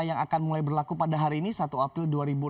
yang akan mulai berlaku pada hari ini satu april dua ribu enam belas